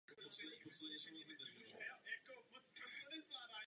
Uprostřed byl bíle smaltovaný medailon.